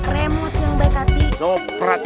remot yang baik hati